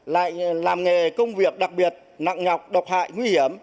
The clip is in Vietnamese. lại làm nghề công việc đặc biệt nặng nhọc độc hại nguy hiểm